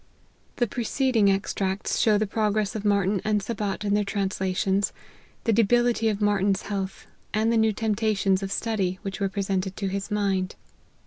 The preceding extracts show the progress of Martyn and Sabat in their translations, the debility of Martyn's health, and the new temptations of study which were presented to his mind.